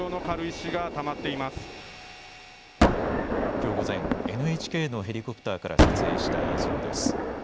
きょう午前、ＮＨＫのヘリコプターから撮影した映像です。